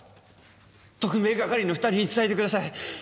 特命係の２人に伝えてください。